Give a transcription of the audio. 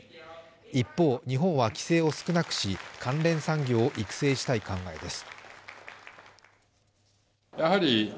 一方、日本は規制を少なくし関連産業を育成したい考えです。